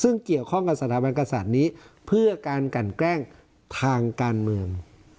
ซึ่งเกี่ยวข้องกับสถาบันกษัตริย์นี้เพื่อการกันแกล้งทางการเมือง